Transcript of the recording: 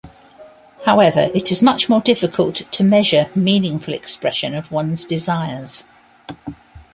However, it is much more difficult to measure meaningful expression of one's desires.